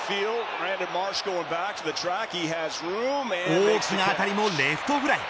大きな当たりもレフトフライ。